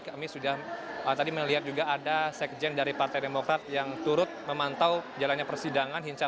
kami sudah tadi melihat juga ada sekjen dari partai demokrat yang turut memantau jalannya persidangan